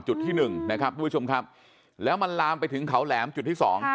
ที่๑นะครับทุกผู้ชมครับแล้วมันลามไปถึงเขาแหลมจุดที่สอง